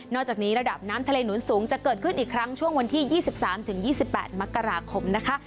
จากนี้ระดับน้ำทะเลหนุนสูงจะเกิดขึ้นอีกครั้งช่วงวันที่๒๓๒๘มกราคมนะคะ